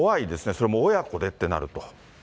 それも親子でってなると。